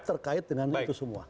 terkait dengan itu semua